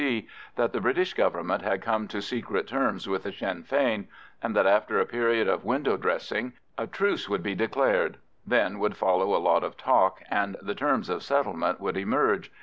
I.C. that the British Government had come to secret terms with Sinn Fein, and that after a period of window dressing a truce would be declared; then would follow a lot of talk, and the terms of settlement would emerge.